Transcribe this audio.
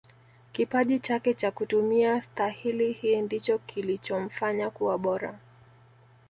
kipaji chake cha kutumia stahili hii ndicho kilichomfanya kuwa bora